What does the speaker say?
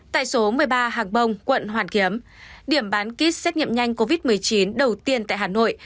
tại số một mươi ba hàng bông quận hoàn kiếm điểm bán kit xét nghiệm nhanh covid một mươi chín đầu tiên tại hà nội